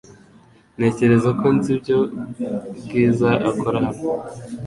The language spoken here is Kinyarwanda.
Ntekereza ko nzi ibyo Bwiza akora hano .